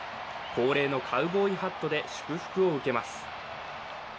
恒例のカウボーイハットで祝福を受けます。